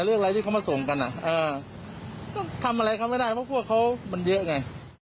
เรื่องอะไรที่เขามาส่งกันก็ทำอะไรเขาไม่ได้เพราะพวกเขามันเยอะไง